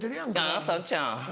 あぁさんちゃん。